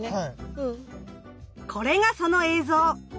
これがその映像！